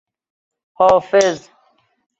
حافظ